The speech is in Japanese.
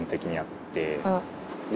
って